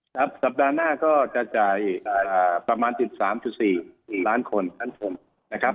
ครับสัปดาห์หน้าก็จะจ่ายประมาณ๑๓๔ล้านคนนะครับ